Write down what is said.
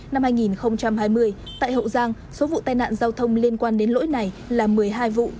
năm hai nghìn hai mươi tại hậu giang số vụ tai nạn giao thông liên quan đến lỗi này là một mươi hai vụ